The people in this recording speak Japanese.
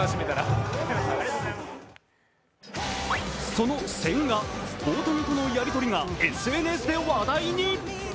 その千賀、大谷とのやり取りがＳＮＳで話題に。